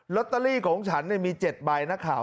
ลอตเตอรี่ของฉันเนี่ยมี๗ใบนะขาว